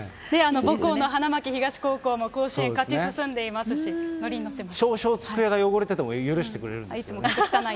母校の花巻東高校も甲子園、勝ち進んでいますし、のりにのってます。